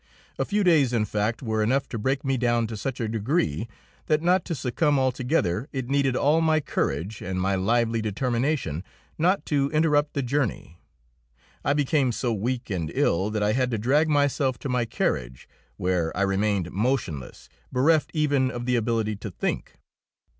A few days, in fact, were enough to break me down to such a degree that not to succumb altogether it needed all my courage and my lively determination not to interrupt the journey. I became so weak and ill that I had to drag myself to my carriage, where I remained motionless, bereft even of the ability to think.